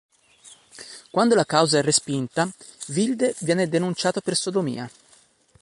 Quando la causa è respinta, Wilde viene denunciato per sodomia.